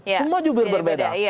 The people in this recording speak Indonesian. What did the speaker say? semua jubir berbeda